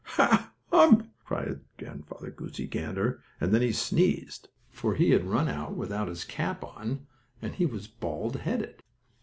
"Ha! Hum!" cried Grandfather Goosey Gander, and then he sneezed, for he had run out without his cap on and he was bald headed.